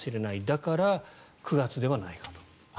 だから、９月ではないかと。